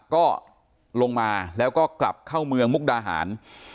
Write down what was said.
ก็ลงมาแล้วก็กลับเข้าเมืองมุกดาหาร